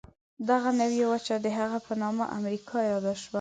دغه نوې وچه د هغه په نامه امریکا یاده شوه.